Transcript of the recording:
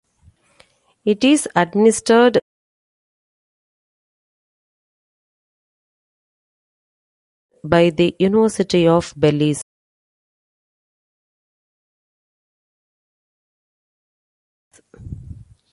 It is administered by the University of Belize.